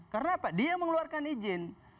karena apa dia yang mengeluarkan izin